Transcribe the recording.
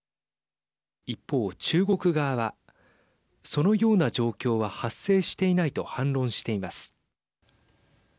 一方、中国側はそのような状況は発生していないと反論しています。